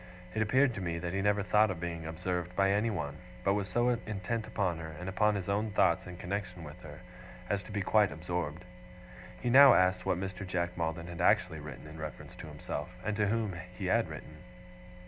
It appeared to me that he never thought of being observed by anyone; but was so intent upon her, and upon his own thoughts in connexion with her, as to be quite absorbed. He now asked what Mr. Jack Maldon had actually written in reference to himself, and to whom he had written?